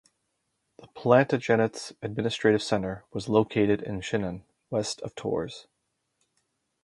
The Plantagenets' administrative center was located in Chinon, west of Tours.